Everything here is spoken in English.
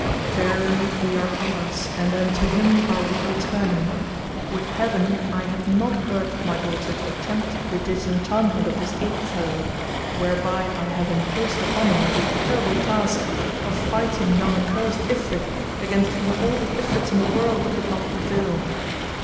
Verily we are Allah's and unto Him are we returning! Would Heaven I had not urged my daughter to attempt the disenchantment of this ape fellow, whereby I have imposed upon her the terrible task of fighting yon accursed Ifrit against whom all the Ifrits in the world could not prevail.